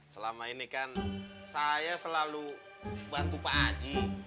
selama ini kan saya selalu bantu pak aji